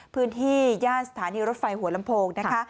พื้นที่ย่านสถานีรถไฟหัวลำโพง